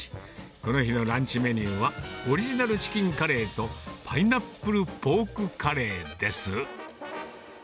この日のランチメニューは、オリジナルチキンカレーとパイナップルポークカレーです。